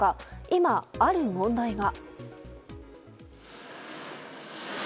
今、ある問題が。